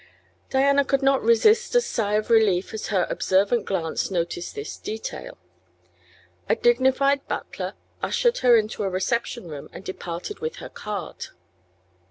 Diana could not resist a sigh of relief as her observant glance noted this detail. A dignified butler ushered her into a reception room and departed with her card.